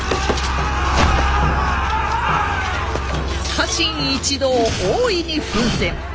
家臣一同大いに奮戦。